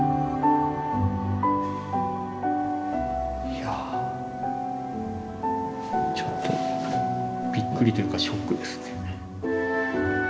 いやちょっとびっくりというかショックですね。